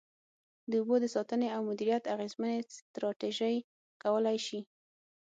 د اوبو د ساتنې او مدیریت اغیزمنې ستراتیژۍ کولای شي.